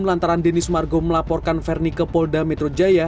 lantaran denny sumargo melaporkan verni ke polda metro jaya